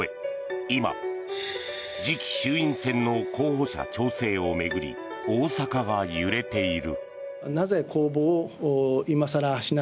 今、次期衆院選の候補者調整を巡り大阪が揺れている。